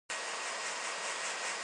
一屑仔